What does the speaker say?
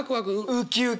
ウキウキ！